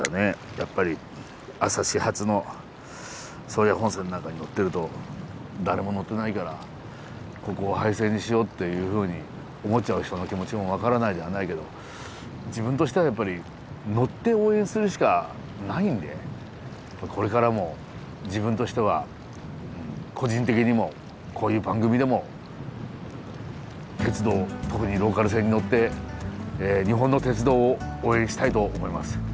やっぱり朝始発の宗谷本線なんかに乗ってると誰も乗ってないからここを廃線にしようっていうふうに思っちゃう人の気持ちも分からないではないけど自分としてはやっぱり乗って応援するしかないんでこれからも自分としては個人的にもこういう番組でも鉄道特にローカル線に乗って日本の鉄道を応援したいと思います。